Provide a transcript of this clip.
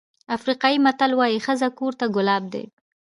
افریقایي متل وایي ښځه کور ته ګلاب دی.